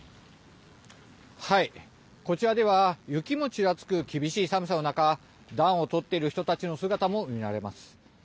こちらでは雪もちらつく厳しい寒さの中暖をとっている人たちの姿も見られます。